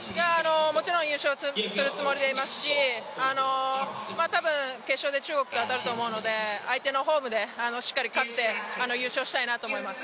もちろん優勝するつもりでいますし、たぶん決勝で中国と当たると思うので相手のホームでしっかり勝って、優勝したいなと思います。